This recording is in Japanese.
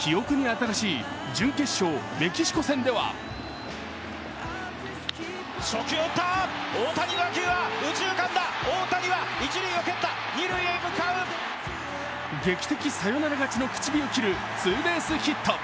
記憶に新しい準決勝メキシコ戦では劇的サヨナラ勝ちの口火を切るツーベースヒット。